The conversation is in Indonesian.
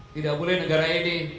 tidak boleh negara ini